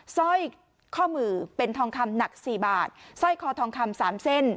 สร้อยข้อมือเป็นทองคำหนักสี่บาทสร้อยคอทองคำสามเส้น